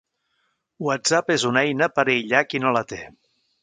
WhatsApp és una eina per aïllar qui no la té.